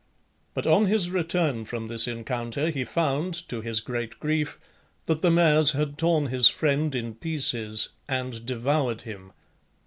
But on his return from this encounter he found, to his great grief, that the mares had torn his friend in pieces and devoured him.